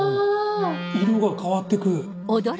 色が変わっていく。